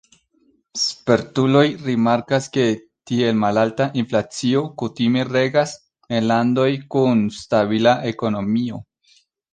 Spertuloj rimarkas, ke tiel malalta inflacio kutime regas en landoj kun stabila ekonomio.